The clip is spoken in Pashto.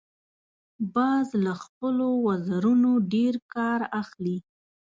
باز له خپلو وزرونو ډیر کار اخلي